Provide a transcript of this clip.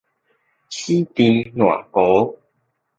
死纏爛糊